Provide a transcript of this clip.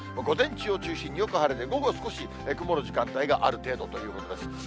午前中を中心によく晴れて、午後、少し曇る時間帯がある程度ということです。